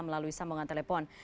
melalui sambungan telepon